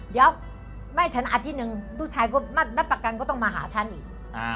เดี๋ยวไม่ถึงอาทิตย์หนึ่งนักประกันก็ต้องมาหาฉันอีก